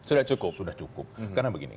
sudah cukup sudah cukup karena begini